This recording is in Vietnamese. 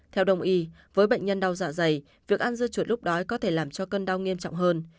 theo đồng y với bệnh nhân đau dạ dày việc ăn dưa chuột lúc đói có thể làm cho cơn đau nghiêm trọng hơn